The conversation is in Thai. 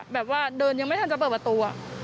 แบบว่าเดินยังไม่ทันจะเปิดประตู